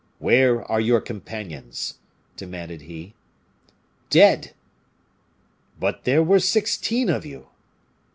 "Where are your companions?" demanded he. "Dead!" "But there were sixteen of you!"